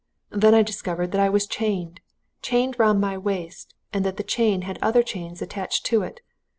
Then I discovered that I was chained! chained round my waist, and that the chain had other chains attached to it.